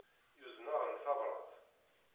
Yuzen-aɣ-n tabrat.